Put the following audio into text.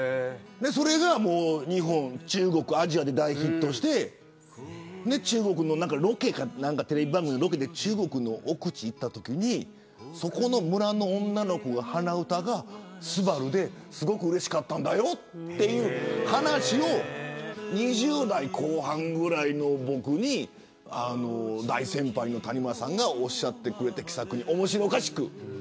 それが日本、中国、アジアで大ヒットして中国のロケか何かテレビ番組で中国の奥地に行ったときにそこの村の女の子の鼻歌が昴ですごくうれしかったんだよという話を２０代後半ぐらいの僕に大先輩の谷村さんがおっしゃってくれて気さくに面白おかしく。